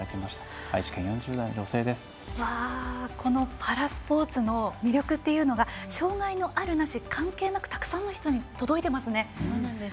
パラスポーツの魅力っていうのが障がいのあるなし関係なくたくさんの人に届いていますね。